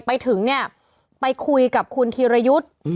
ไปถึงเนี่ยไปคุยกับคุณธีรยุทธ์